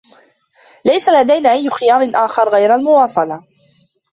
ليس لدينا أي خيار آخر غير المواصلة.